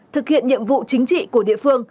thực hiện nhiệm vụ chính trị của địa phương